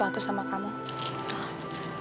iya jadi bentro kamu sama mas satria